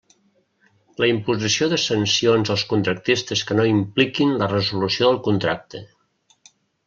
La imposició de sancions als contractistes que no impliquin la resolució del contracte.